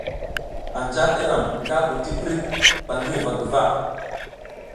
Anja iram nga bu tiprik ba ngi huva guva.